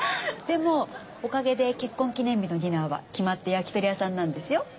でもおかげで結婚記念日のディナーは決まって焼き鳥屋さんなんですよ。